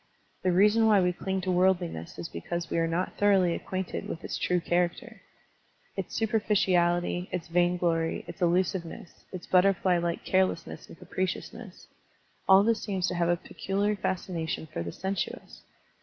The reason why we cling to worldliness is because we are not thoroughly acquainted with its true character. Its superficiality, its vainglory, its illusiveness, its butterfly like carelessness and capriciousness, — all this seems to have a pectxliar fascination for the sensuous.